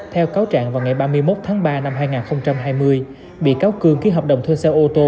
theo cáo trạng vào ngày ba mươi một tháng ba năm hai nghìn hai mươi bị cáo cường ký hợp đồng thuê xe ô tô